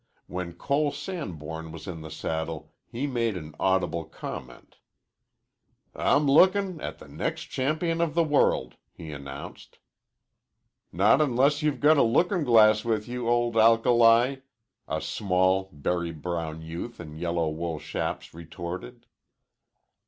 When Cole Sanborn was in the saddle he made an audible comment. "I'm lookin' at the next champion of the world," he announced. "Not onless you've got a lookin' glass with you, old alkali," a small berry brown youth in yellow wool chaps retorted.